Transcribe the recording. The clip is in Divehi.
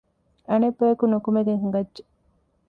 އަނެއް ބަޔަކު ނުކުމެގެން ހިނގައްޖެ